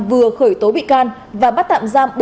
vừa khởi tối bị can và bắt tạm giam